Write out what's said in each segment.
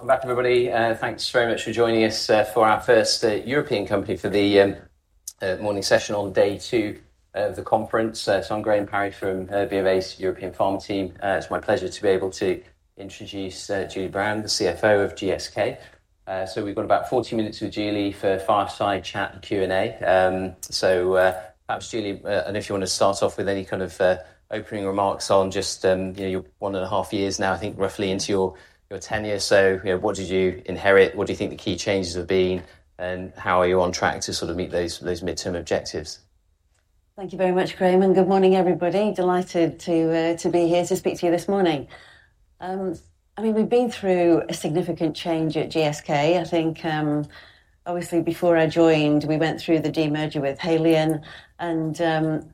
...Welcome back, everybody. Thanks very much for joining us for our first European company for the morning session on day two of the conference. So I'm Graham Parry from BofA's European Pharma team. It's my pleasure to be able to introduce Julie Brown, the CFO of GSK. So we've got about forty minutes with Julie for a fireside chat and Q&A. So perhaps, Julie, I don't know if you want to start off with any kind of opening remarks on just you know, you're one and a half years now, I think, roughly into your your tenure. So you know, what did you inherit? What do you think the key changes have been, and how are you on track to sort of meet those those midterm objectives? Thank you very much, Graham, and good morning, everybody. Delighted to be here to speak to you this morning. I mean, we've been through a significant change at GSK. I think, obviously, before I joined, we went through the demerger with Haleon, and,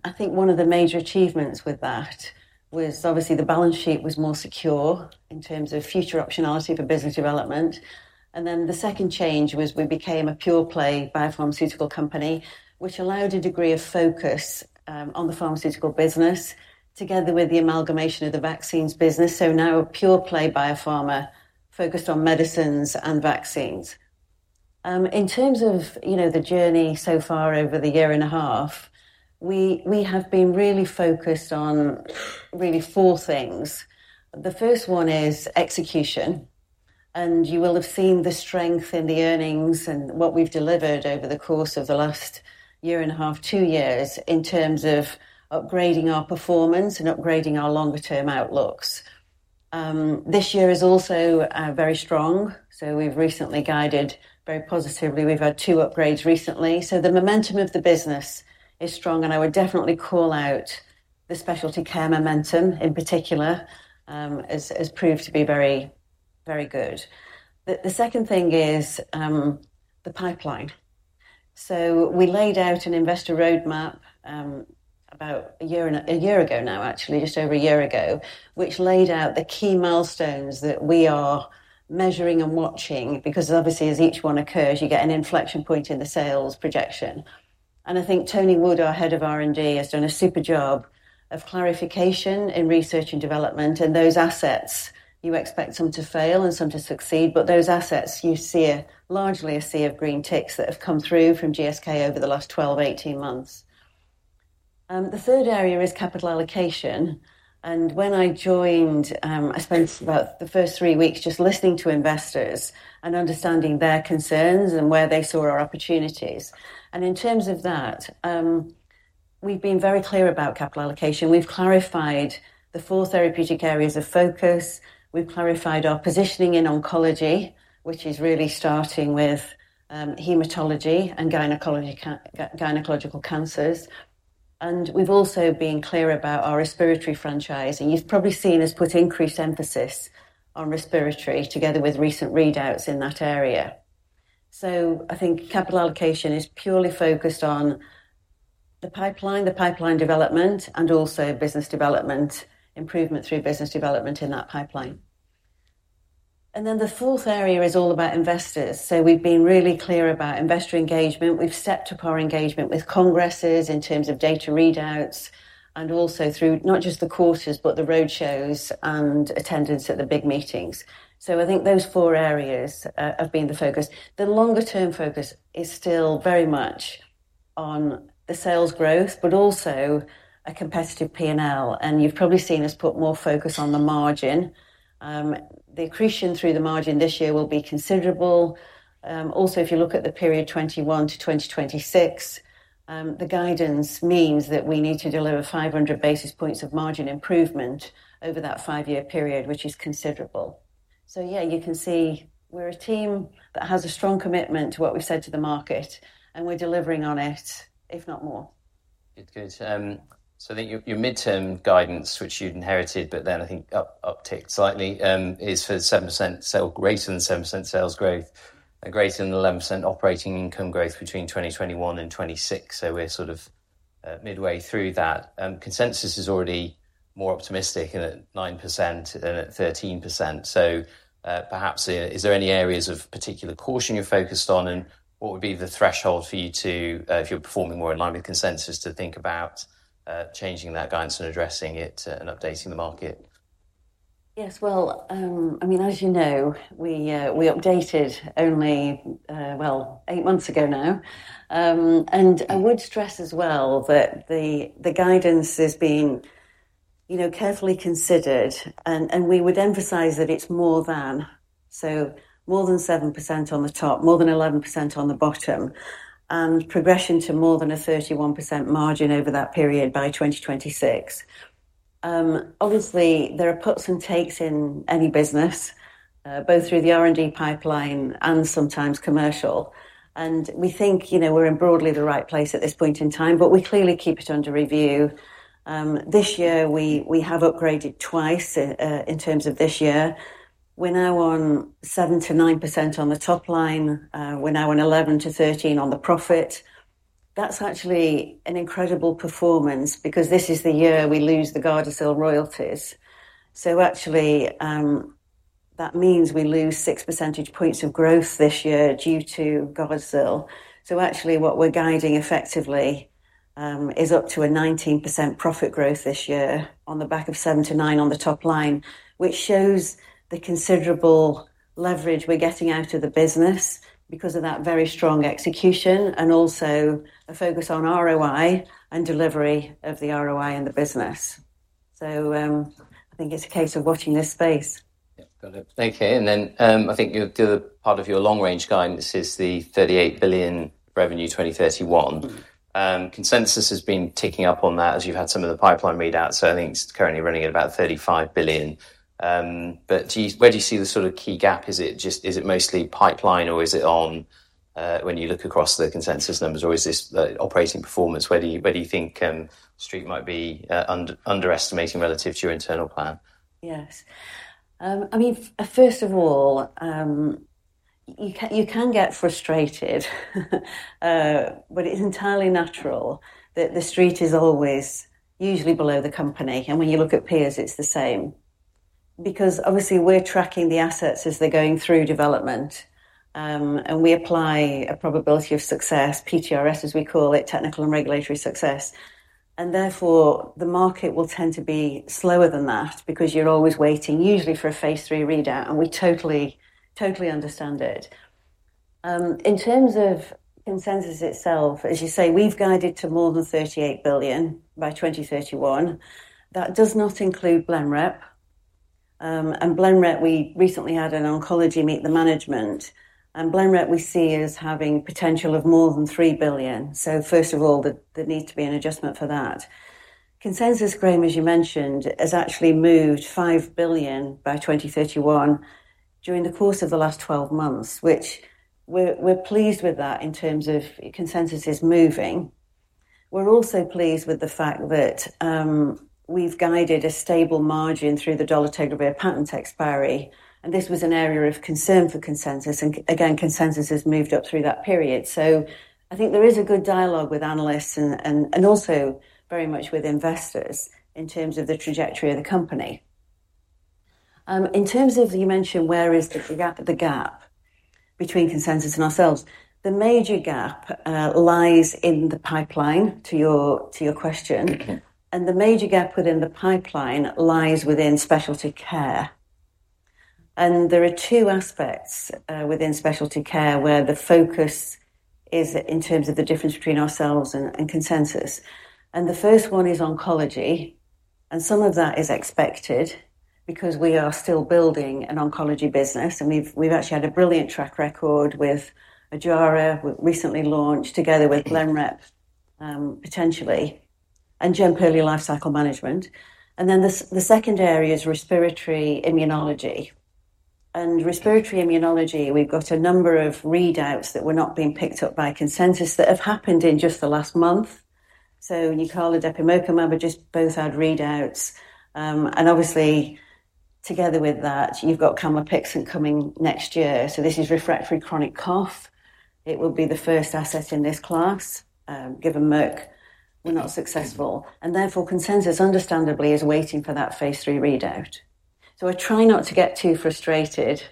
I think one of the major achievements with that was obviously the balance sheet was more secure in terms of future optionality for business development, and then the second change was we became a pure-play biopharmaceutical company, which allowed a degree of focus, on the pharmaceutical business, together with the amalgamation of the vaccines business, so now a pure-play biopharma focused on medicines and vaccines. In terms of, you know, the journey so far over the year and a half, we have been really focused on really four things. The first one is execution, and you will have seen the strength in the earnings and what we've delivered over the course of the last year and a half, two years, in terms of upgrading our performance and upgrading our longer-term outlooks. This year is also very strong, so we've recently guided very positively. We've had two upgrades recently. So the momentum of the business is strong, and I would definitely call out the specialty care momentum in particular, as proved to be very, very good. The second thing is the pipeline. So we laid out an investor roadmap about a year and a year ago now, actually, just over a year ago, which laid out the key milestones that we are measuring and watching, because obviously, as each one occurs, you get an inflection point in the sales projection. I think Tony Wood, our head of R&D, has done a super job of clarification in research and development. And those assets, you expect some to fail and some to succeed, but those assets, you see largely a sea of green ticks that have come through from GSK over the last twelve to eighteen months. The third area is capital allocation, and when I joined, I spent about the first three weeks just listening to investors and understanding their concerns and where they saw our opportunities. And in terms of that, we've been very clear about capital allocation. We've clarified the four therapeutic areas of focus. We've clarified our positioning in oncology, which is really starting with hematology and gynecology, gynecological cancers. We've also been clear about our respiratory franchise, and you've probably seen us put increased emphasis on respiratory together with recent readouts in that area. I think capital allocation is purely focused on the pipeline, the pipeline development, and also business development, improvement through business development in that pipeline. The fourth area is all about investors. We've been really clear about investor engagement. We've stepped up our engagement with congresses in terms of data readouts and also through not just the quarters, but the road shows and attendance at the big meetings. I think those four areas have been the focus. The longer-term focus is still very much on the sales growth, but also a competitive P&L, and you've probably seen us put more focus on the margin. The accretion through the margin this year will be considerable. Also, if you look at the period 2021 to 2026, the guidance means that we need to deliver 500 basis points of margin improvement over that five-year period, which is considerable. So yeah, you can see we're a team that has a strong commitment to what we've said to the market, and we're delivering on it, if not more. Good. Good. So then your, your midterm guidance, which you'd inherited, but then I think upticked slightly, is for 7% sales, greater than 7% sales growth and greater than 11% operating income growth between 2021 and 2026. So we're sort of, midway through that. Consensus is already more optimistic at 9% and at 13%. So, perhaps, is there any areas of particular caution you're focused on? And what would be the threshold for you to, if you're performing more in line with consensus, to think about, changing that guidance and addressing it, and updating the market? Yes. Well, I mean, as you know, we updated only, well, eight months ago now. And I would stress as well that the guidance has been, you know, carefully considered, and we would emphasize that it's more than, so more than 7% on the top, more than 11% on the bottom, and progression to more than a 31% margin over that period by 2026. Obviously, there are puts and takes in any business, both through the R&D pipeline and sometimes commercial, and we think, you know, we're in broadly the right place at this point in time, but we clearly keep it under review. This year, we have upgraded twice, in terms of this year. We're now on 7%-9% on the top line. We're now on 11-13 on the profit. That's actually an incredible performance because this is the year we lose the Gardasil royalties. So actually, that means we lose six percentage points of growth this year due to Gardasil. So actually, what we're guiding effectively is up to a 19% profit growth this year on the back of 7-9 on the top line, which shows the considerable leverage we're getting out of the business because of that very strong execution and also a focus on ROI and delivery of the ROI in the business. So, I think it's a case of watching this space. Yeah. Got it. Okay, and then I think the other part of your long-range guidance is the 38 billion revenue, 2031. Consensus has been ticking up on that as you've had some of the pipeline read out, so I think it's currently running at about 35 billion. But do you, where do you see the sort of key gap? Is it just, is it mostly pipeline or is it on, when you look across the consensus numbers or is this the operating performance? Where do you think Street might be underestimating relative to your internal plan? Yes. I mean, first of all, you can get frustrated, but it's entirely natural that the Street is always usually below the company, and when you look at peers, it's the same. Because obviously we're tracking the assets as they're going through development, and we apply a probability of success, PTRS, as we call it, technical and regulatory success. And therefore, the market will tend to be slower than that because you're always waiting, usually for a phase 3 readout, and we totally understand it. In terms of consensus itself, as you say, we've guided to more than £38 billion by 2031. That does not include Blenrep. And Blenrep, we recently had an oncology meet the management, and Blenrep we see as having potential of more than £3 billion. First of all, there needs to be an adjustment for that. Consensus, Graham, as you mentioned, has actually moved 5 billion by 2031 during the course of the last twelve months, which we're pleased with that in terms of consensus is moving. We're also pleased with the fact that we've guided a stable margin through the dolutegravir patent expiry, and this was an area of concern for consensus, and again, consensus has moved up through that period. I think there is a good dialogue with analysts and also very much with investors in terms of the trajectory of the company. In terms of you mentioned, where is the gap, the gap between consensus and ourselves? The major gap lies in the pipeline, to your question. Okay. The major gap within the pipeline lies within specialty care. There are two aspects within specialty care where the focus is in terms of the difference between ourselves and consensus. The first one is oncology, and some of that is expected because we are still building an oncology business, and we've actually had a brilliant track record with Ojjaara. We recently launched together with Blenrep, potentially and Jemperli lifecycle management. The second area is respiratory immunology. Respiratory immunology, we've got a number of readouts that were not being picked up by consensus that have happened in just the last month. Nucala, depemokimab, have just both had readouts. And obviously together with that, you've got camlipixant coming next year. This is refractory chronic cough. It will be the first asset in this class, given Merck were not successful, and therefore, consensus, understandably, is waiting for that phase three readout. So I try not to get too frustrated,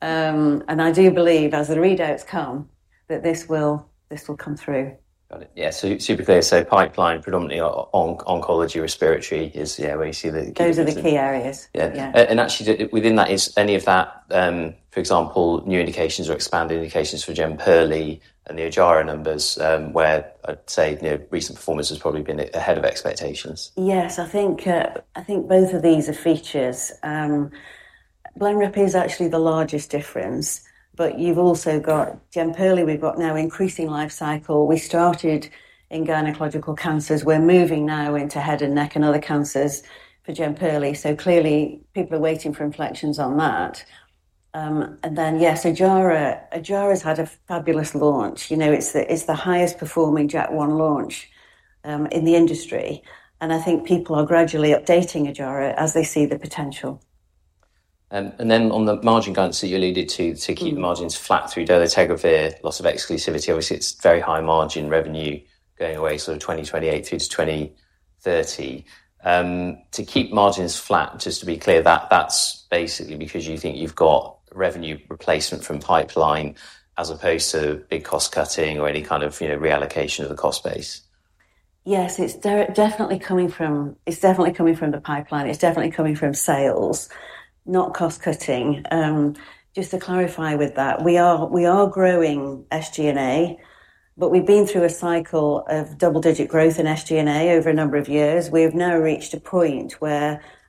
and I do believe as the readouts come, that this will come through. Got it. Yeah. So super clear. So pipeline, predominantly on oncology, respiratory is, yeah, where you see the- Those are the key areas. Yeah. Yeah. And actually, within that, is any of that, for example, new indications or expanded indications for Jemperli and the Ojjaara numbers, where I'd say, you know, recent performance has probably been ahead of expectations? Yes, I think, I think both of these are features. Blenrep is actually the largest difference, but you've also got Jemperli. We've got now increasing life cycle. We started in gynecological cancers. We're moving now into head and neck and other cancers for Jemperli. So clearly, people are waiting for inflections on that. And then, yes, Ojjaara. Ojjaara's had a fabulous launch. You know, it's the highest performing JAK1 launch, in the industry, and I think people are gradually updating Ojjaara as they see the potential. And then on the margin guidance that you alluded to, to keep margins flat through dolutegravir, loss of exclusivity. Obviously, it's very high margin revenue going away, so 2028 through to 2030. To keep margins flat, just to be clear, that, that's basically because you think you've got revenue replacement from pipeline as opposed to big cost-cutting or any kind of, you know, reallocation of the cost base? Yes, it's definitely coming from the pipeline. It's definitely coming from sales, not cost-cutting. Just to clarify with that, we are growing SG&A, but we've been through a cycle of double-digit growth in SG&A over a number of years. We have now reached a point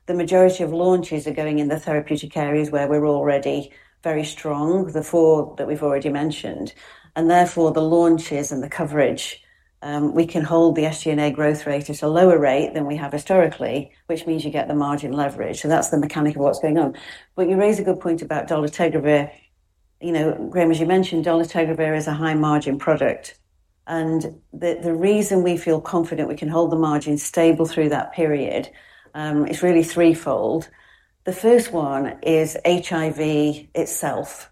where the majority of launches are going in the therapeutic areas where we're already very strong, the four that we've already mentioned. And therefore, the launches and the coverage, we can hold the SG&A growth rate at a lower rate than we have historically, which means you get the margin leverage. So that's the mechanic of what's going on. But you raise a good point about dolutegravir. You know, Graham, as you mentioned, dolutegravir is a high-margin product, and the reason we feel confident we can hold the margin stable through that period is really threefold. The first one is HIV itself.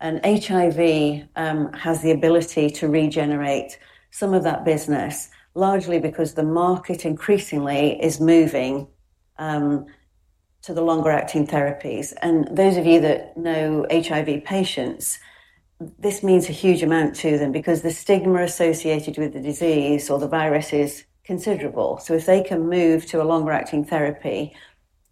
And HIV has the ability to regenerate some of that business, largely because the market increasingly is moving to the longer-acting therapies. And those of you that know HIV patients, this means a huge amount to them because the stigma associated with the disease or the virus is considerable. So if they can move to a longer-acting therapy,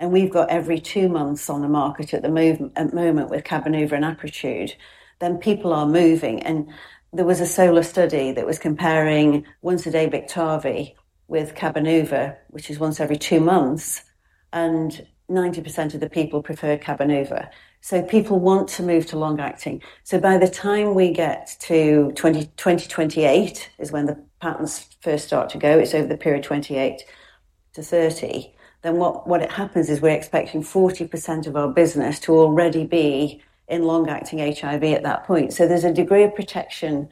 and we've got every two months on the market at the moment with Cabenuva and Apretude, then people are moving. And there was a SOLAR study that was comparing once-a-day Biktarvy with Cabenuva, which is once every two months, and 90% of the people preferred Cabenuva. People want to move to long-acting. By the time we get to 2028, that is when the patents first start to go. It's over the period 2028-2030. Then what happens is we're expecting 40% of our business to already be in long-acting HIV at that point. So there's a degree of protection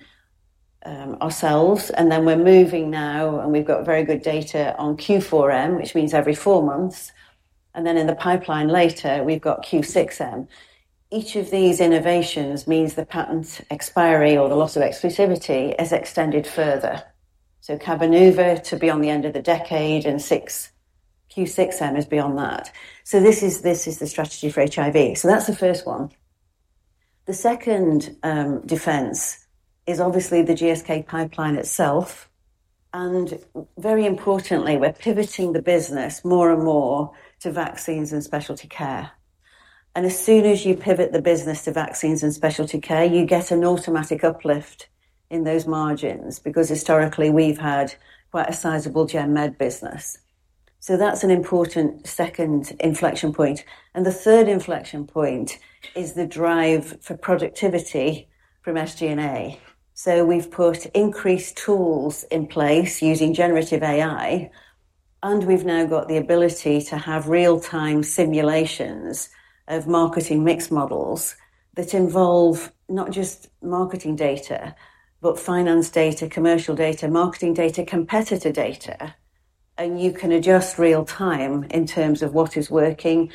ourselves, and then we're moving now, and we've got very good data on Q4M, which means every four months, and then in the pipeline later, we've got Q6M. Each of these innovations means the patent expiry or the loss of exclusivity is extended further. So Cabenuva to be on the end of the decade, and Q6M is beyond that. This is the strategy for HIV. That's the first one. The second defense is obviously the GSK pipeline itself, and very importantly, we're pivoting the business more and more to vaccines and specialty care, and as soon as you pivot the business to vaccines and specialty care, you get an automatic uplift in those margins, because historically we've had quite a sizable gen med business. So that's an important second inflection point, and the third inflection point is the drive for productivity from SG&A, so we've put increased tools in place using generative AI, and we've now got the ability to have real-time simulations of marketing mix models that involve not just marketing data, but finance data, commercial data, marketing data, competitor data, and you can adjust real-time in terms of what is working,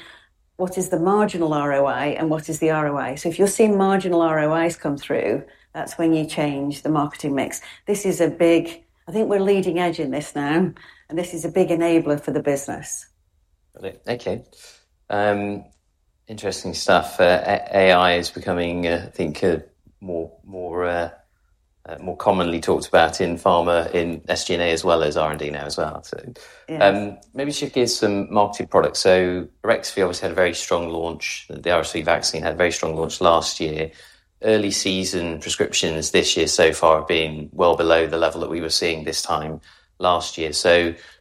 what is the marginal ROI, and what is the ROI, so if you're seeing marginal ROIs come through, that's when you change the marketing mix. This is a big, I think we're leading edge in this now, and this is a big enabler for the business. Okay. Interesting stuff. AI is becoming, I think, a more commonly talked about in pharma, in SG&A, as well as R&D now as well. So- Yes. Maybe you should give some marketed products. Arexvy obviously had a very strong launch. The RSV vaccine had a very strong launch last year. Early season prescriptions this year so far have been well below the level that we were seeing this time last year.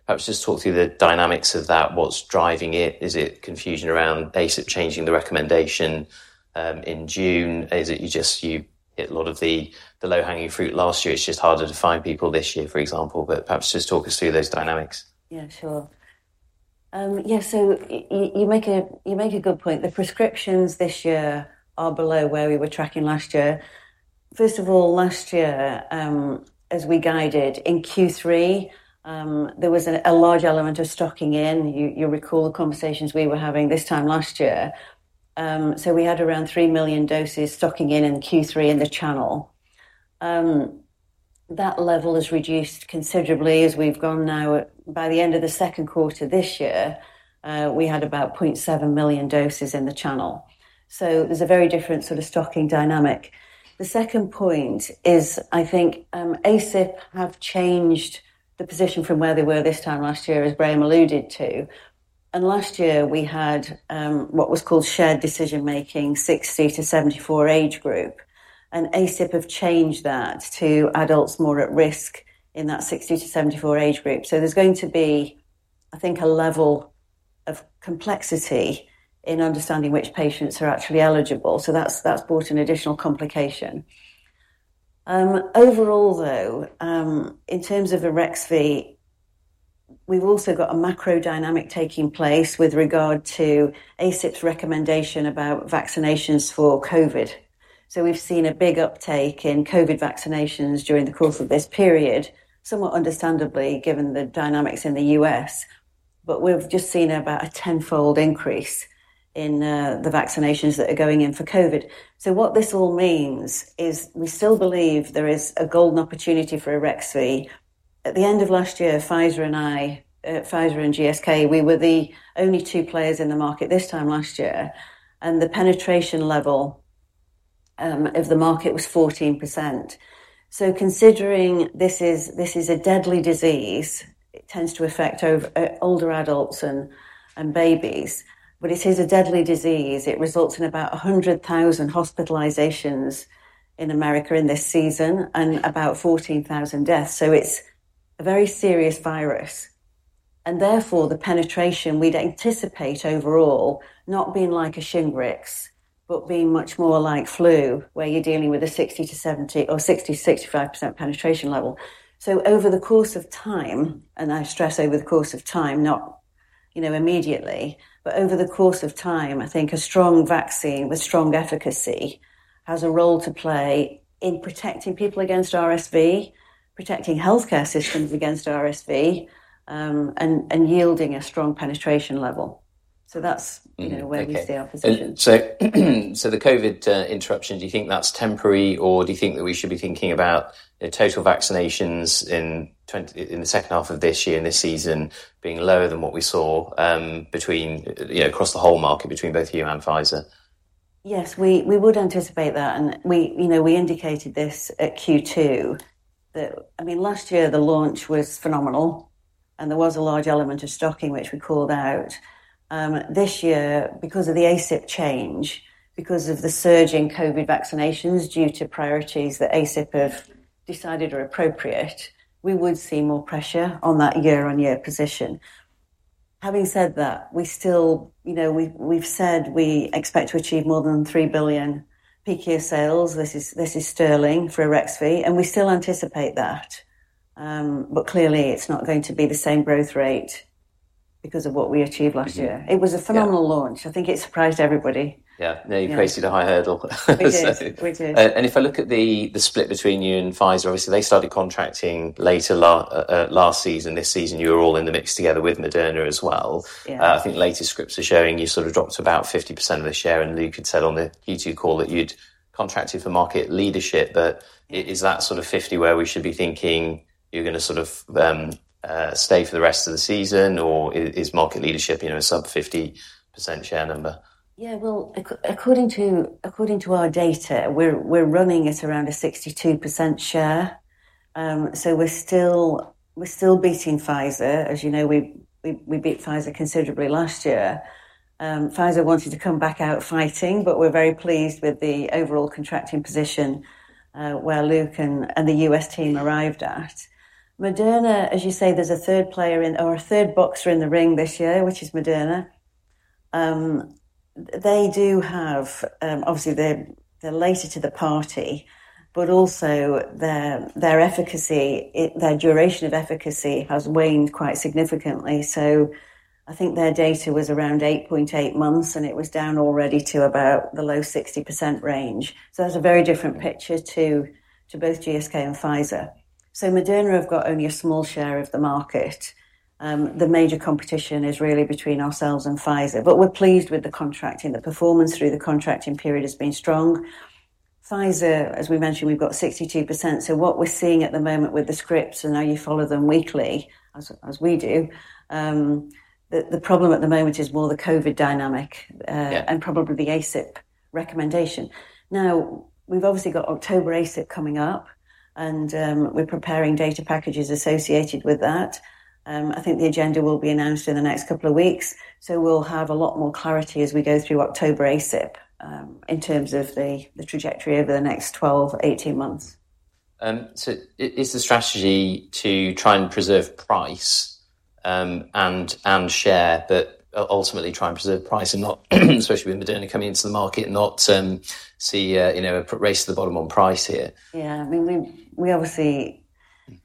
Perhaps just talk through the dynamics of that. What's driving it? Is it confusion around ACIP changing the recommendation in June? Is it you just hit a lot of the low-hanging fruit last year, it's just harder to find people this year, for example, but perhaps just talk us through those dynamics. Yeah, sure. You make a good point. The prescriptions this year are below where we were tracking last year. First of all, last year, as we guided in Q3, there was a large element of stocking in. You recall the conversations we were having this time last year. So we had around 3 million doses stocking in Q3 in the channel. That level has reduced considerably as we've gone now. By the end of the Q2 this year, we had about 0.7 million doses in the channel. So there's a very different sort of stocking dynamic. The second point is, I think, ACIP have changed the position from where they were this time last year, as Graham alluded to. And last year, we had what was called shared decision-making, sixty to seventy-four age group, and ACIP have changed that to adults more at risk in that sixty to seventy-four age group. So there's going to be, I think, a level of complexity in understanding which patients are actually eligible. So that's brought an additional complication. Overall, though, in terms of Arexvy, we've also got a macro dynamic taking place with regard to ACIP's recommendation about vaccinations for COVID. So we've seen a big uptake in COVID vaccinations during the course of this period, somewhat understandably, given the dynamics in the U.S., but we've just seen about a tenfold increase in the vaccinations that are going in for COVID. So what this all means is we still believe there is a golden opportunity for Arexvy. At the end of last year, Pfizer and GSK, we were the only two players in the market this time last year, and the penetration level of the market was 14%. So considering this is a deadly disease, it tends to affect older adults and babies, but it is a deadly disease. It results in about 100,000 hospitalizations in America in this season and about 14,000 deaths. So it's a very serious virus, and therefore, the penetration we'd anticipate overall, not being like a Shingrix, but being much more like flu, where you're dealing with a 60-70% or 60-65% penetration level. So over the course of time, and I stress over the course of time, not, you know, immediately, but over the course of time, I think a strong vaccine with strong efficacy has a role to play in protecting people against RSV, protecting healthcare systems against RSV, and yielding a strong penetration level. So that's- Mm-hmm. You know, where we see our position. So the COVID interruption, do you think that's temporary, or do you think that we should be thinking about the total vaccinations in the second half of this year, this season, being lower than what we saw between, you know, across the whole market, between both you and Pfizer? Yes, we would anticipate that, and we, you know, we indicated this at Q2, that, I mean, last year, the launch was phenomenal, and there was a large element of stocking, which we called out. This year, because of the ACIP change, because of the surge in COVID vaccinations, due to priorities that ACIP have decided are appropriate, we would see more pressure on that year-on-year position. Having said that, we still, you know, we've said we expect to achieve more than £3 billion peak year sales. This is sterling for Arexvy, and we still anticipate that. But clearly, it's not going to be the same growth rate because of what we achieved last year. Mm-hmm. Yeah. It was a phenomenal launch. I think it surprised everybody. Yeah. Yeah. Now you've created a high hurdle. We did. We did. And if I look at the split between you and Pfizer, obviously, they started contracting later last season. This season, you were all in the mix together with Moderna as well. Yeah. I think latest scripts are showing you sort of dropped to about 50% of the share, and Luke had said on the Q2 call that you'd contracted for market leadership. But is that sort of 50 where we should be thinking you're gonna sort of stay for the rest of the season, or is market leadership, you know, a sub 50% share number? Yeah, well, according to our data, we're running at around a 62% share. So we're still beating Pfizer. As you know, we beat Pfizer considerably last year. Pfizer wanted to come back out fighting, but we're very pleased with the overall contracting position where Luke and the US team arrived at. Moderna, as you say, there's a third player in or a third boxer in the ring this year, which is Moderna. They do have, obviously, they're later to the party, but also their efficacy. Their duration of efficacy has waned quite significantly. So I think their data was around 8.8 months, and it was down already to about the low 60% range. So that's a very different picture to both GSK and Pfizer. So Moderna have got only a small share of the market. The major competition is really between ourselves and Pfizer, but we're pleased with the contracting. The performance through the contracting period has been strong. Pfizer, as we mentioned, we've got 62%, so what we're seeing at the moment with the scripts, I know you follow them weekly, as we do. The problem at the moment is more the COVID dynamic- Yeah... and probably the ACIP recommendation. Now, we've obviously got October ACIP coming up, and, we're preparing data packages associated with that. I think the agenda will be announced in the next couple of weeks, so we'll have a lot more clarity as we go through October ACIP, in terms of the trajectory over the next twelve, eighteen months. So, is the strategy to try and preserve price and share, but ultimately try and preserve price and not see, especially with Moderna coming into the market, you know, a race to the bottom on price here? Yeah. I mean, we obviously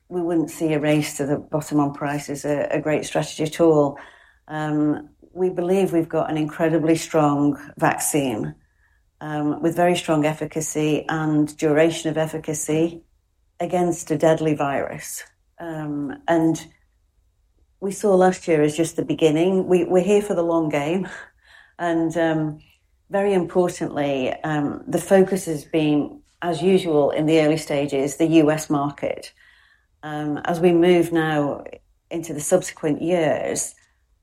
wouldn't see a race to the bottom on price as a great strategy at all. We believe we've got an incredibly strong vaccine with very strong efficacy and duration of efficacy against a deadly virus. And we saw last year as just the beginning. We're here for the long game, and very importantly, the focus has been, as usual, in the early stages, the U.S. market. As we move now into the subsequent years,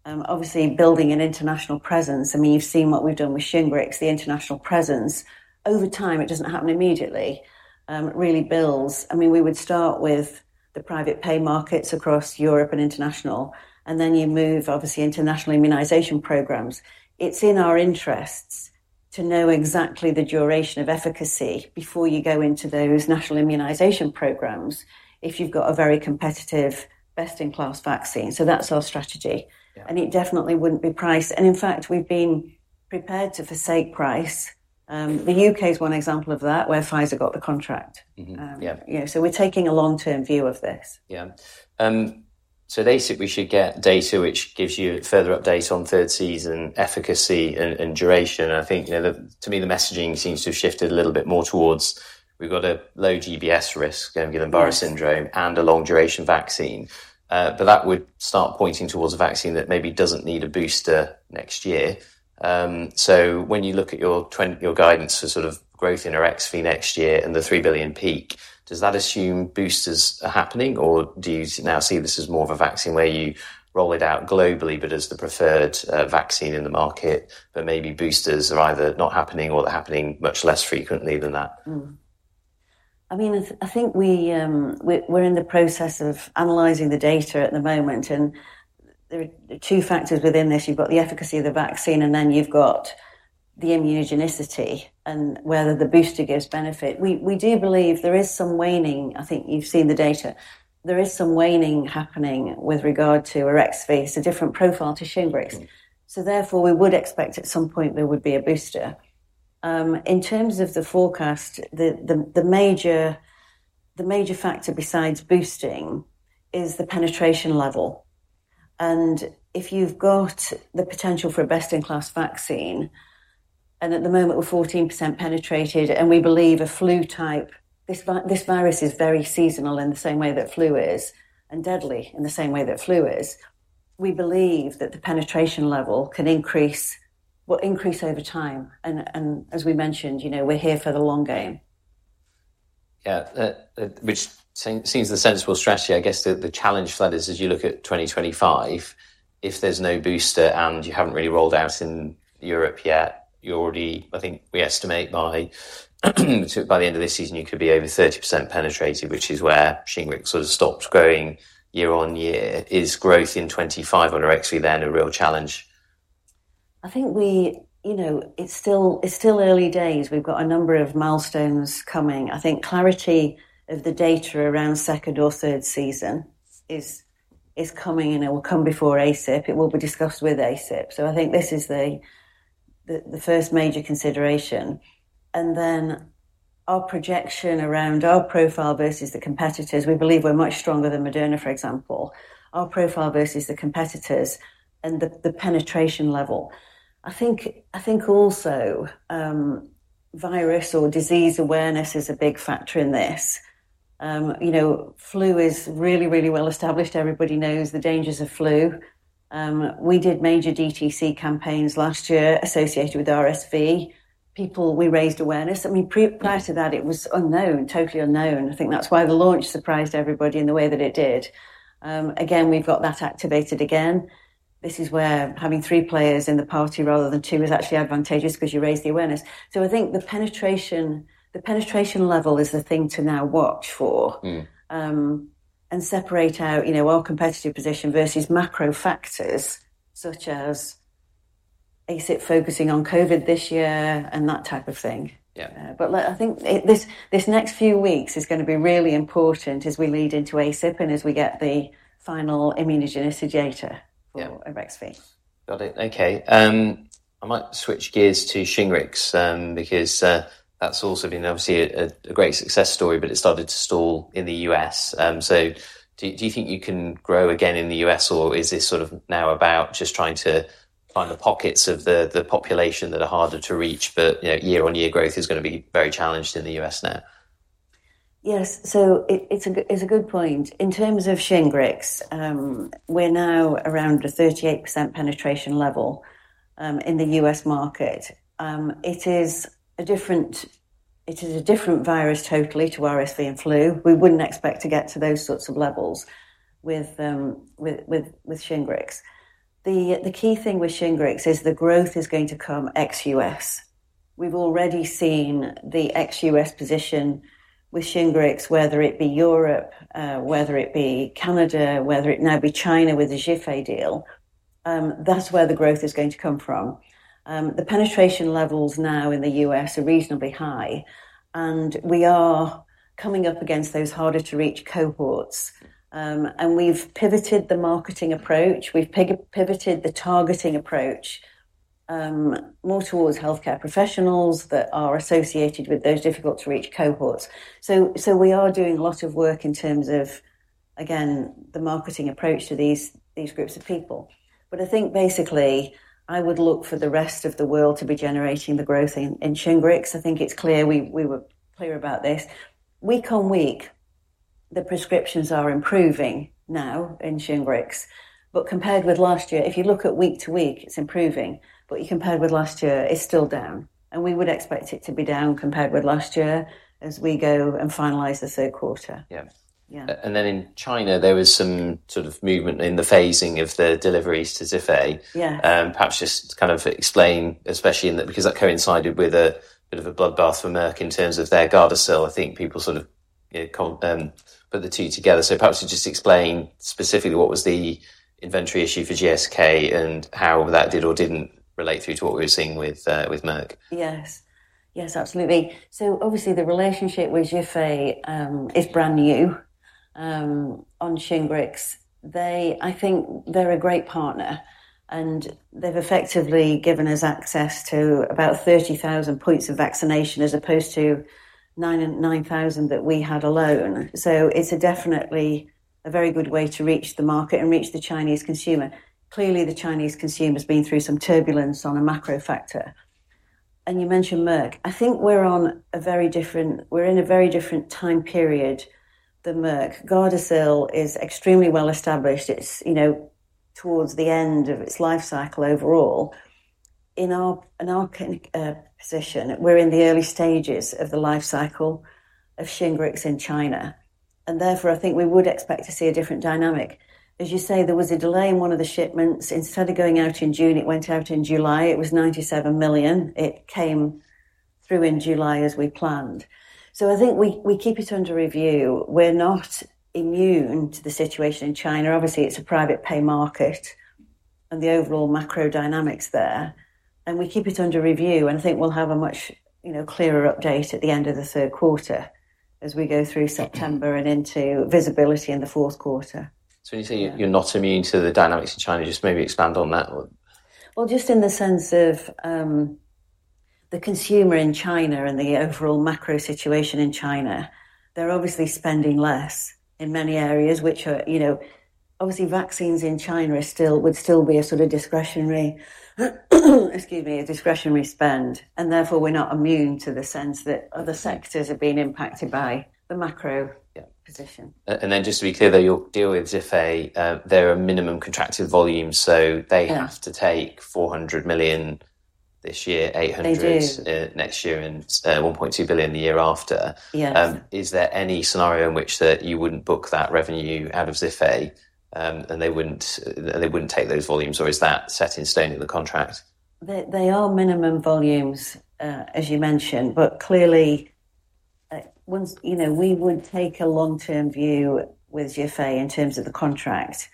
obviously, building an international presence. I mean, you've seen what we've done with Shingrix, the international presence. Over time, it doesn't happen immediately. It really builds. I mean, we would start with the private pay markets across Europe and international, and then you move, obviously, into national immunization programs. It's in our interests to know exactly the duration of efficacy before you go into those national immunization programs if you've got a very competitive, best-in-class vaccine. So that's our strategy. Yeah. It definitely wouldn't be price. In fact, we've been prepared to forsake price. The U.K. is one example of that, where Pfizer got the contract. Mm-hmm. Yeah. Yeah, so we're taking a long-term view of this. Yeah. So basically, we should get data which gives you further updates on third season efficacy and duration. I think, you know, to me, the messaging seems to have shifted a little bit more towards, we've got a low GBS risk, Guillain-Barré syndrome, and a long-duration vaccine. But that would start pointing towards a vaccine that maybe doesn't need a booster next year. So when you look at your trend, your guidance for sort of growth in Arexvy next year and the three billion peak, does that assume boosters are happening, or do you now see this as more of a vaccine where you roll it out globally, but as the preferred vaccine in the market, but maybe boosters are either not happening or they're happening much less frequently than that? Mm-hmm. I mean, it's. I think we're in the process of analyzing the data at the moment, and there are two factors within this. You've got the efficacy of the vaccine, and then you've got the immunogenicity and whether the booster gives benefit. We do believe there is some waning. I think you've seen the data. There is some waning happening with regard to Arexvy. It's a different profile to Shingrix. Mm-hmm. So therefore, we would expect at some point there would be a booster. In terms of the forecast, the major factor besides boosting is the penetration level. And if you've got the potential for a best-in-class vaccine, and at the moment we're 14% penetrated, and we believe a flu-type. This virus is very seasonal in the same way that flu is, and deadly in the same way that flu is. We believe that the penetration level can increase, will increase over time, and as we mentioned, you know, we're here for the long game. Yeah, which seems the sensible strategy. I guess the challenge for that is as you look at 2025, if there's no booster and you haven't really rolled out in Europe yet, you already - I think we estimate by the end of this season, you could be over 30% penetrated, which is where Shingrix sort of stopped growing year on year. Is growth in 2025 or actually then a real challenge? I think we, you know, it's still early days. We've got a number of milestones coming. I think clarity of the data around second or third season is coming, and it will come before ACIP. It will be discussed with ACIP. So I think this is the first major consideration, and then our projection around our profile versus the competitors. We believe we're much stronger than Moderna, for example, our profile versus the competitors and the penetration level. I think also virus or disease awareness is a big factor in this. You know, flu is really, really well established. Everybody knows the dangers of flu. We did major DTC campaigns last year associated with RSV. People, we raised awareness. I mean, prior to that, it was unknown, totally unknown. I think that's why the launch surprised everybody in the way that it did. Again, we've got that activated again. This is where having three players in the market rather than two is actually advantageous because you raise the awareness. So I think the penetration level is the thing to now watch for. Mm. and separate out, you know, our competitive position versus macro factors, such as ACIP focusing on COVID this year and that type of thing. Yeah. But I think this next few weeks is gonna be really important as we lead into ACIP and as we get the final immunogenicity data. Yeah. -for Arexvy. Got it. Okay, I might switch gears to Shingrix, because that's also been obviously a great success story, but it started to stall in the U.S. So do you think you can grow again in the U.S., or is this sort of now about just trying to find the pockets of the population that are harder to reach, but you know, year-on-year growth is gonna be very challenged in the U.S. now? Yes. It's a good point. In terms of Shingrix, we're now around a 38% penetration level in the U.S. market. It is a different virus totally to RSV and flu. We wouldn't expect to get to those sorts of levels with Shingrix. The key thing with Shingrix is the growth is going to come ex-U.S. We've already seen the ex-U.S. position with Shingrix, whether it be Europe, whether it be Canada, whether it now be China with the Zhifei deal, that's where the growth is going to come from. The penetration levels now in the U.S. are reasonably high, and we are coming up against those harder-to-reach cohorts. And we've pivoted the marketing approach, we've pivoted the targeting approach, more towards healthcare professionals that are associated with those difficult-to-reach cohorts. So we are doing a lot of work in terms of, again, the marketing approach to these groups of people. But I think basically I would look for the rest of the world to be generating the growth in Shingrix. I think it's clear, we were clear about this. Week on week, the prescriptions are improving now in Shingrix, but compared with last year, if you look at week to week, it's improving, but you compare with last year, it's still down, and we would expect it to be down compared with last year as we go and finalize the Q3. Yeah. Yeah. And then in China, there was some sort of movement in the phasing of the deliveries to Zhifei. Yeah. Perhaps just to kind of explain, especially in that, because that coincided with a bit of a bloodbath for Merck in terms of their Gardasil. I think people sort of put the two together. So perhaps just explain specifically what was the inventory issue for GSK and how that did or didn't relate to what we were seeing with Merck. Yes. Yes, absolutely. So obviously, the relationship with Zhifei is brand new on Shingrix. I think they're a great partner, and they've effectively given us access to about 30,000 points of vaccination, as opposed to 9,000 and 9,000 that we had alone. So it's definitely a very good way to reach the market and reach the Chinese consumer. Clearly, the Chinese consumer has been through some turbulence on a macro factor. And you mentioned Merck. I think we're in a very different time period than Merck. Gardasil is extremely well established. It's, you know, towards the end of its life cycle overall. In our position, we're in the early stages of the life cycle of Shingrix in China, and therefore, I think we would expect to see a different dynamic. As you say, there was a delay in one of the shipments. Instead of going out in June, it went out in July. It was 97 million. It came through in July as we planned. So I think we keep it under review. We're not immune to the situation in China. Obviously, it's a private pay market and the overall macro dynamics there, and we keep it under review, and I think we'll have a much, you know, clearer update at the end of the Q3 as we go through September and into visibility in the Q4. So you say you're not immune to the dynamics in China. Just maybe expand on that or? Just in the sense of the consumer in China and the overall macro situation in China, they're obviously spending less in many areas, which are, you know, obviously vaccines in China are still-- would still be a sort of discretionary, excuse me, a discretionary spend. And therefore, we're not immune to the sense that other sectors have been impacted by the macro- Yeah... position. And then just to be clear, though, your deal with Zhifei, there are minimum contracted volumes, so- Yeah They have to take 400 million this year, 800. They do. Next year, and 1.2 billion the year after. Yes. Is there any scenario in which that you wouldn't book that revenue out of Zhifei, and they wouldn't take those volumes, or is that set in stone in the contract? They are minimum volumes, as you mentioned, but clearly, once, you know, we would take a long-term view with Zhifei in terms of the contract.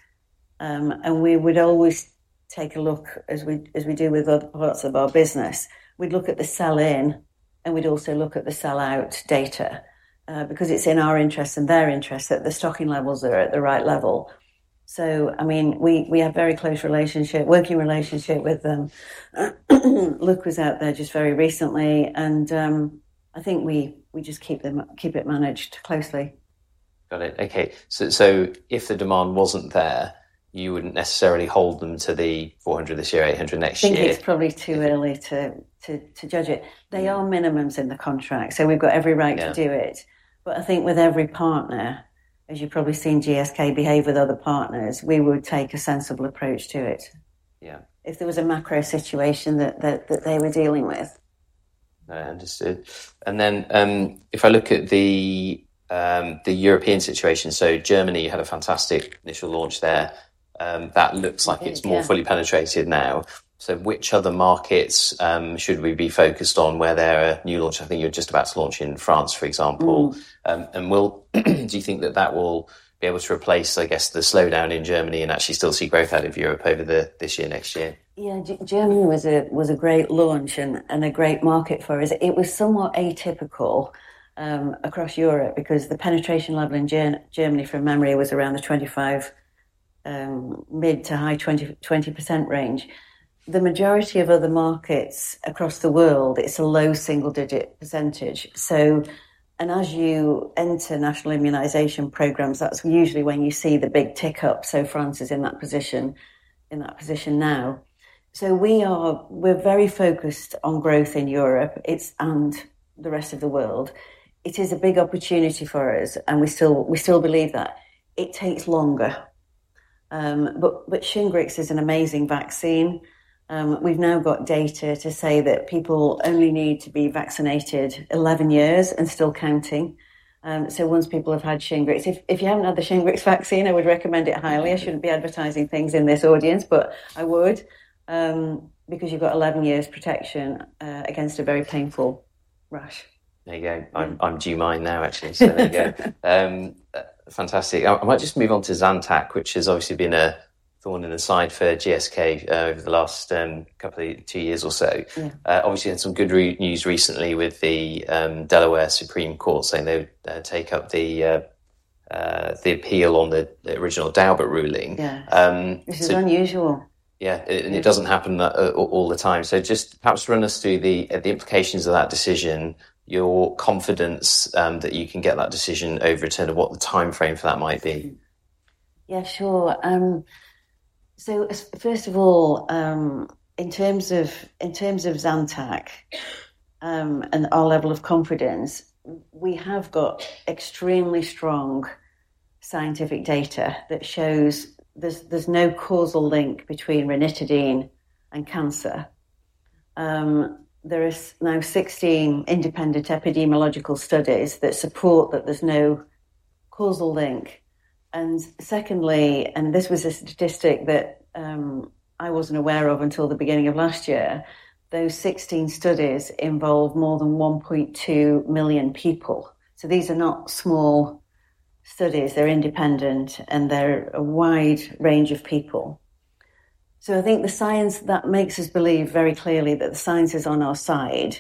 And we would always take a look as we do with other parts of our business. We'd look at the sell-in, and we'd also look at the sell-out data, because it's in our interest and their interest, that the stocking levels are at the right level. So I mean, we have very close relationship, working relationship with them. Luke was out there just very recently, and, I think we just keep it managed closely. Got it. Okay. So, so if the demand wasn't there, you wouldn't necessarily hold them to the 400 this year, 800 next year? I think it's probably too early to judge it. They are minimums in the contract, so we've got every right to do it. Yeah. But I think with every partner, as you've probably seen GSK behave with other partners, we would take a sensible approach to it. Yeah. If there was a macro situation that they were dealing with. I understood. And then, if I look at the European situation, so Germany had a fantastic initial launch there. That looks like- Yeah. It's more fully penetrated now. So which other markets should we be focused on where there are new launch? I think you're just about to launch in France, for example. Mm. And do you think that will be able to replace, I guess, the slowdown in Germany and actually still see growth out of Europe over this year, next year? Yeah. Germany was a great launch and a great market for us. It was somewhat atypical across Europe because the penetration level in Germany, from memory, was around the 25, mid- to high-20, 20% range. The majority of other markets across the world, it's a low single-digit %. So, and as you enter national immunization programs, that's usually when you see the big tick-up. So France is in that position now. So we're very focused on growth in Europe. It's, and the rest of the world. It is a big opportunity for us, and we still believe that it takes longer. But Shingrix is an amazing vaccine. We've now got data to say that people only need to be vaccinated 11 years and still counting. So once people have had Shingrix... If you haven't had the Shingrix vaccine, I would recommend it highly. I shouldn't be advertising things in this audience, but I would, because you've got eleven years protection against a very painful rash. There you go. I'm due mine now, actually. So there you go. Fantastic. I might just move on to Zantac, which has obviously been a thorn in the side for GSK over the last couple two years or so. Yeah. Obviously, had some good news recently with the Delaware Supreme Court saying they would take up the appeal on the original Daubert ruling. Yeah. Um, so- Which is unusual. Yeah, and it doesn't happen that all the time. So just perhaps run us through the implications of that decision, your confidence that you can get that decision overturned, and what the timeframe for that might be. Yeah, sure. So as first of all, in terms of Zantac, and our level of confidence, we have got extremely strong scientific data that shows there's no causal link between ranitidine and cancer. There is now 16 independent epidemiological studies that support that there's no causal link. And secondly, and this was a statistic that, I wasn't aware of until the beginning of last year. Those 16 studies involved more than 1.2 million people. So these are not small studies, they're independent, and they're a wide range of people. So I think the science that makes us believe very clearly that the science is on our side,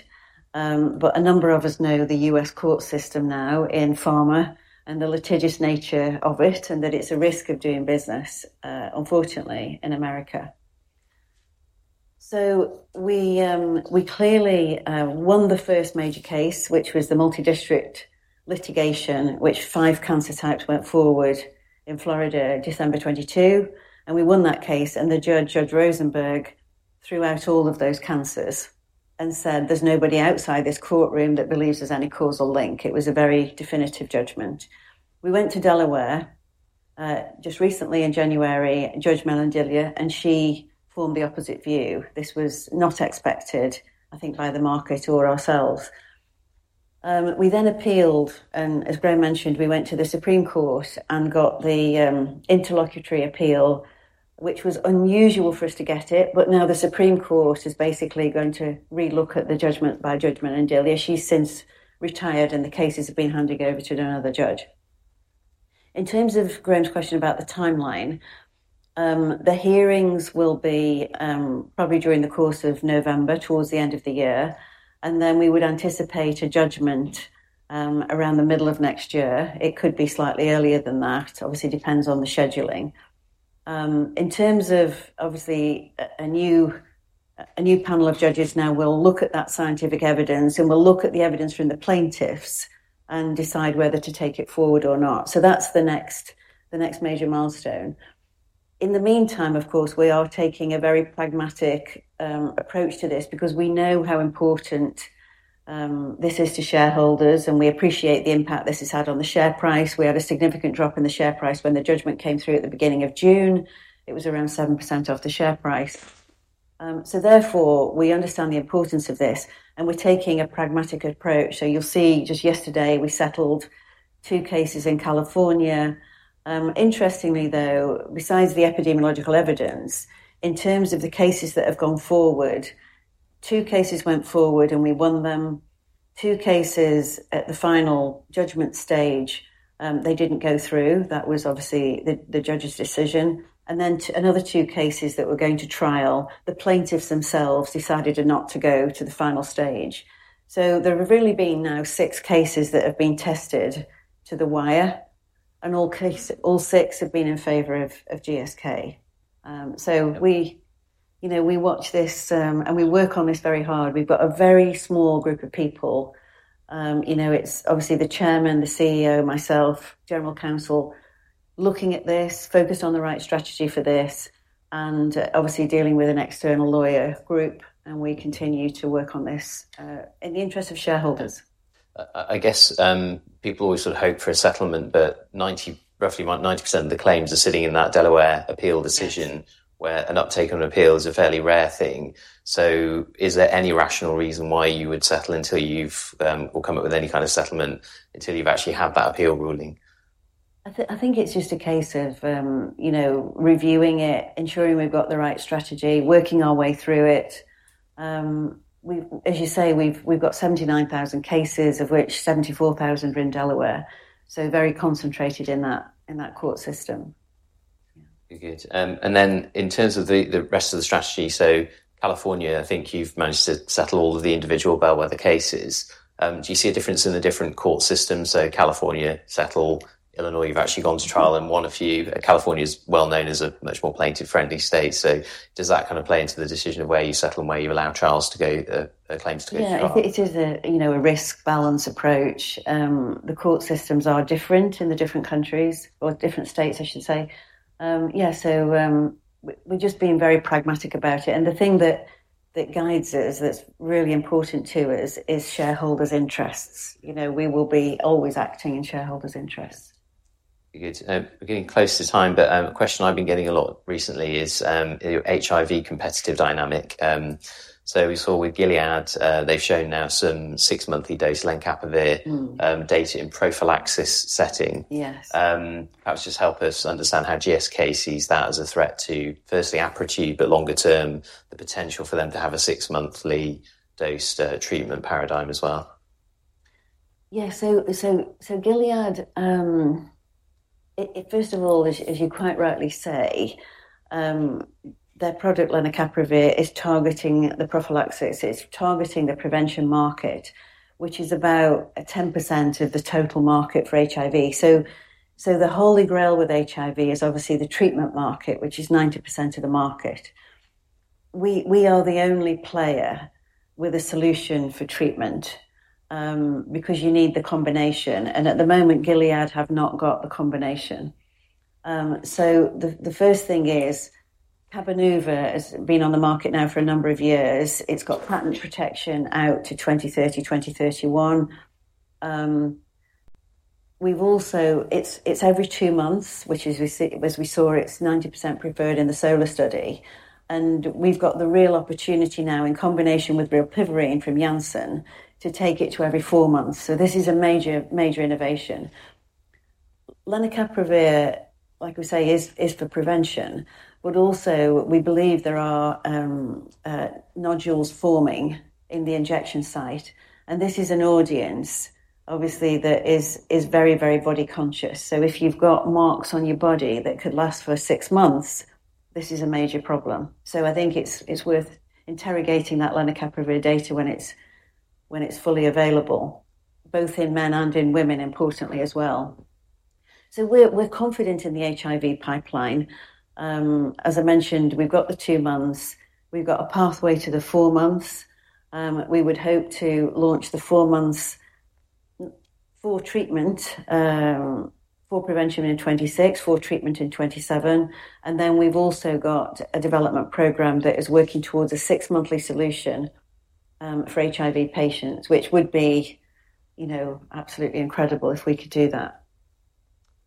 but a number of us know the U.S. court system now in pharma and the litigious nature of it, and that it's a risk of doing business, unfortunately, in America. So we clearly won the first major case, which was the Multi-District Litigation, which five cancer types went forward in Florida, December 2022, and we won that case, and the judge, Judge Rosenberg, threw out all of those cancers and said, "There's nobody outside this courtroom that believes there's any causal link." It was a very definitive judgment. We went to Delaware just recently in January, Judge Medinilla, and she formed the opposite view. This was not expected, I think, by the market or ourselves. We then appealed, and as Graham mentioned, we went to the Supreme Court and got the interlocutory appeal, which was unusual for us to get it, but now the Supreme Court is basically going to relook at the judgment by Judge Medinilla. She's since retired, and the cases have been handed over to another judge. In terms of Graham's question about the timeline, the hearings will be probably during the course of November, towards the end of the year, and then we would anticipate a judgment around the middle of next year. It could be slightly earlier than that, obviously depends on the scheduling. In terms of obviously a new panel of judges now will look at that scientific evidence and will look at the evidence from the plaintiffs and decide whether to take it forward or not. So that's the next major milestone. In the meantime, of course, we are taking a very pragmatic approach to this because we know how important this is to shareholders, and we appreciate the impact this has had on the share price. We had a significant drop in the share price when the judgment came through at the beginning of June. It was around 7% off the share price. So therefore, we understand the importance of this, and we're taking a pragmatic approach. So you'll see, just yesterday, we settled two cases in California. Interestingly, though, besides the epidemiological evidence, in terms of the cases that have gone forward, two cases went forward, and we won them. Two cases at the final judgment stage, they didn't go through. That was obviously the judge's decision, and then another two cases that were going to trial, the plaintiffs themselves decided not to go to the final stage. So there have really been now six cases that have been tested to the wire, and all six have been in favor of GSK. So we, you know, we watch this, and we work on this very hard. We've got a very small group of people. You know, it's obviously the Chairman, the CEO, myself, General Counsel, looking at this, focused on the right strategy for this, and obviously dealing with an external lawyer group, and we continue to work on this, in the interest of shareholders. I guess people always sort of hope for a settlement, but roughly about 90% of the claims are sitting in that Delaware appeal decision. Yes. -where an uptake on appeal is a fairly rare thing. So is there any rational reason why you would settle until you've or come up with any kind of settlement until you've actually had that appeal ruling? I think it's just a case of, you know, reviewing it, ensuring we've got the right strategy, working our way through it. As you say, we've got 79,000 cases, of which 74,000 are in Delaware, so very concentrated in that court system. Good. And then in terms of the rest of the strategy, so California, I think you've managed to settle all of the individual bellwether cases. Do you see a difference in the different court systems? So California, settle. Illinois, you've actually gone to trial and won a few. California is well known as a much more plaintiff-friendly state, so does that kind of play into the decision of where you settle and where you allow trials to go, claims to go to trial? Yeah, it is a, you know, a risk-balance approach. The court systems are different in the different countries or different states, I should say. Yeah, so, we're just being very pragmatic about it, and the thing that guides us, that's really important to us, is shareholders' interests. You know, we will be always acting in shareholders' interests. Good. We're getting close to time, but a question I've been getting a lot recently is your HIV competitive dynamic. So we saw with Gilead. They've shown now some six monthly dose lenacapavir- Mm. Data in prophylaxis setting. Yes. Perhaps just help us understand how GSK sees that as a threat to, firstly, Apretude, but longer term, the potential for them to have a six-monthly dosed treatment paradigm as well. Yeah. So Gilead, it first of all, as you quite rightly say, their product, lenacapavir, is targeting the prophylaxis. It's targeting the prevention market, which is about 10% of the total market for HIV. So the holy grail with HIV is obviously the treatment market, which is 90% of the market. We are the only player with a solution for treatment, because you need the combination, and at the moment, Gilead have not got the combination. So the first thing is, Cabenuva has been on the market now for a number of years. It's got patent protection out to 2030, 2031. We've also... It's every two months, which is, we see, as we saw, it's 90% preferred in the SOLAR study, and we've got the real opportunity now in combination with rilpivirine from Janssen to take it to every four months. So this is a major, major innovation. lenacapavir, like we say, is for prevention, but also we believe there are nodules forming in the injection site, and this is an audience, obviously, that is very, very body conscious. So if you've got marks on your body that could last for six months, this is a major problem. So I think it's worth interrogating that lenacapavir data when it's fully available, both in men and in women, importantly as well. So we're confident in the HIV pipeline. As I mentioned, we've got the two months, we've got a pathway to the four months. We would hope to launch the four months for treatment, for prevention in 2026, for treatment in 2027. And then we've also got a development program that is working towards a six-monthly solution, for HIV patients, which would be, you know, absolutely incredible if we could do that.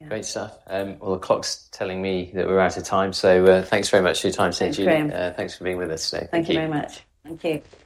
Great stuff. Well, the clock's telling me that we're out of time, so, thanks very much for your time today, Julie. Thanks, Graham. Thanks for being with us today. Thank you very much. Thank you.